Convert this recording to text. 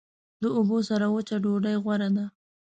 د اوبو سره وچه ډوډۍ غوره ده.